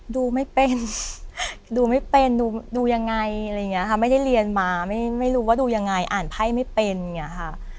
ดูไม่เป็นดูไม่เป็นดูยังไงอะไรอย่างนี้ค่ะไม่ได้เรียนมาไม่รู้ว่าดูยังไงอ่านไพ่ไม่เป็นอย่างนี้ค่ะ